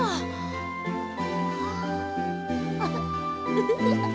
ウフフフッ！